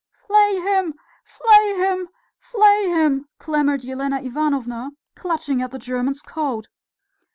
"Flay him! flay him! flay him!" clamoured Elena Ivanovna, clutching at the German's coat.